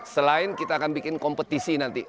selain kita akan bikin kompetisi nanti